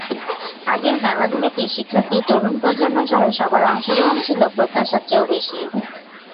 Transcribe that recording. আগের মেলাগুলোতে শিক্ষার্থী, তরুণ প্রজন্মসহ সবার অংশগ্রহণ ছিল প্রত্যাশার চেয়েও বেশি।